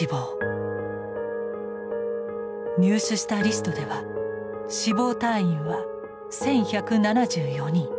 入手したリストでは死亡退院は１，１７４人。